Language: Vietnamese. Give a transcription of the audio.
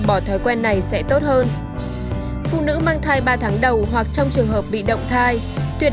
bỏ thói quen này sẽ tốt hơn phụ nữ mang thai ba tháng đầu hoặc trong trường hợp bị động thai tuyệt